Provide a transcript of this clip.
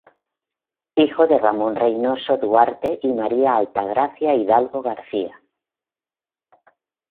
Hijo de Ramón Reynoso Duarte y María Altagracia Hidalgo García.